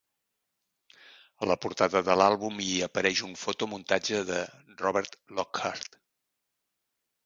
A la portada de l'àlbum hi apareix un fotomuntatge de Robert Lockart.